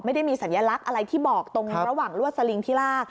ไม่ได้มีสัญลักษณ์อะไรที่บอกตรงระหว่างลวดสลิงที่ลาก